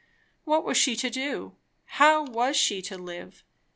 What was she to do? how was she to live?